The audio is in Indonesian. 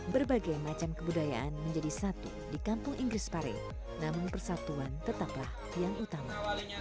berbagai macam kebudayaan menjadi satu di kampung inggris pare namun persatuan tetaplah yang utama